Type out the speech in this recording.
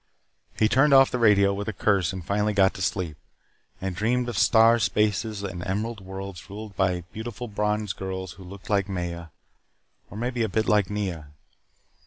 He turned off the radio with a curse and finally got to sleep, and dreamed of star spaces and emerald worlds ruled by beautiful Brons girls who looked like Maya or maybe a bit like Nea.